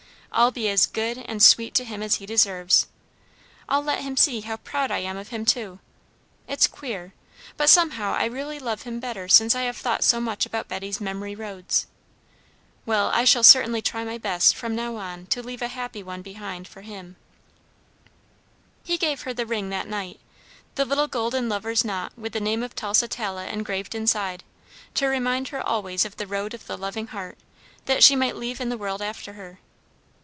"I'll be as good, and sweet to him as he deserves. I'll let him see how proud I am of him, too. It's queer, but somehow I really love him better since I have thought so much about Betty's Memory roads. Well, I shall certainly try my best from now on to leave a happy one behind for him." He gave her the ring that night, the little golden lover's knot with the name of Tusitala engraved inside, to remind her always of the Road of the Loving Heart, that she might leave in the world after her.